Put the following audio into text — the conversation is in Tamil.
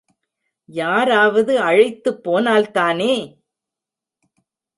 யாராவது அழைத்துப் போனால்தானே?